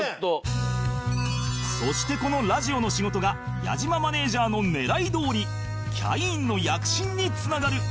そしてこのラジオの仕事が矢島マネジャーの狙いどおりキャインの躍進に繋がる